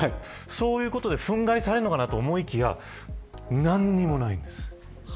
そういうことで憤慨されるのかと思いきや何もないんです。